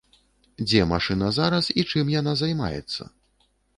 Дзе машына зараз і чым яна займаецца?